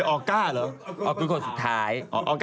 ออกุ๊ดคนสุดท้าย